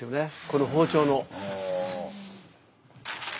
この包丁の。